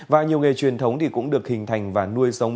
và nhiều nghề truyền thống thì cũng được hình thành và nuôi giống